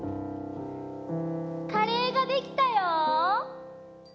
・カレーができたよ！